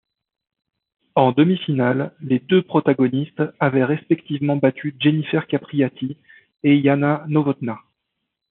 En demi-finale, les deux protagonistes avaient respectivement battu Jennifer Capriati et Jana Novotná.